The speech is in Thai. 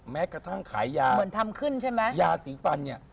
แม้กระทั่งขายยาสีฟันเนี่ยเหมือนทำขึ้นใช่มั้ย